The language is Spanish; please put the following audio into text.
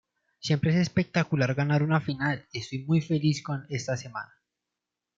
Siempre es espectacular ganar una final y estoy muy feliz con esta semana.